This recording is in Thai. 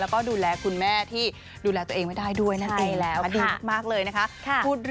แล้วก็ดูแลคุณแม่ที่ดูแลตัวเองไม่ได้ด้วยนั่นเองแล้วดีมากเลยนะคะ